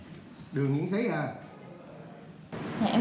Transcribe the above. đường cũng xấy ra